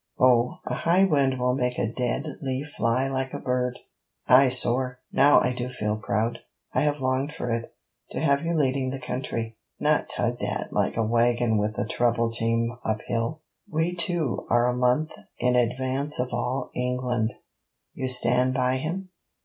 'Oh! a high wind will make a dead leaf fly like a bird. I soar. Now I do feel proud. I have longed for it to have you leading the country: not tugged at like a waggon with a treble team uphill. We two are a month in advance of all England. You stand by him?